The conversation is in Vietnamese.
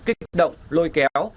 kích động lôi kéo